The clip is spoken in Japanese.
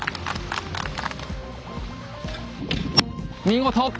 見事！